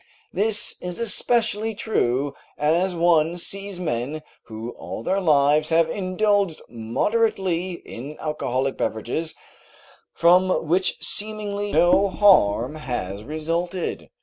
This is especially true as one sees men who all their lives have indulged moderately in alcoholic beverages from which seemingly no harm has resulted.